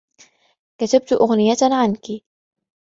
كتبت أغنية عنك.